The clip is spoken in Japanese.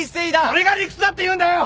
それが理屈だっていうんだよ！